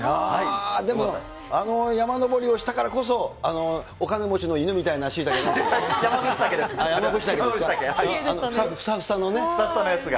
でもあの山登りをしたからこそ、あのお金持ちの犬みたいなシイタケが。